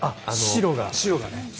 白がね。